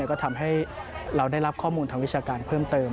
ก็ทำให้เราได้รับข้อมูลทางวิชาการเพิ่มเติม